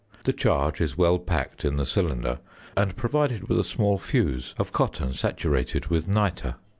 The charge is well packed in the cylinder and provided with a small fuse of cotton saturated with nitre.